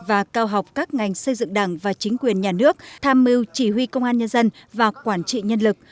và cao học các ngành xây dựng đảng và chính quyền nhà nước tham mưu chỉ huy công an nhân dân và quản trị nhân lực